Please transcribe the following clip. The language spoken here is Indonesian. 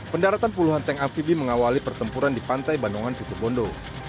pendaratan puluhan tank amfibi mengawali pertempuran di pantai bandungan situbondo